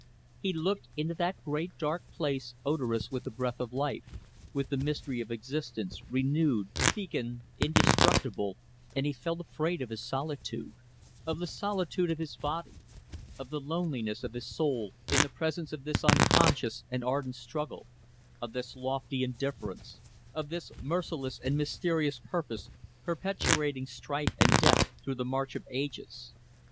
He looked into that great dark place odorous with the breath of life, with the mystery of existence, renewed, fecund, indestructible; and he felt afraid of his solitude, of the solitude of his body, of the loneliness of his soul in the presence of this unconscious and ardent struggle, of this lofty indifference, of this merciless and mysterious purpose, perpetuating strife and death through the march of ages.